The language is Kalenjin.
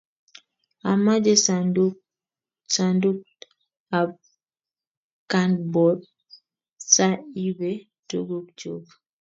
amache sandukt ab kadbod sa ibee tuguk chuk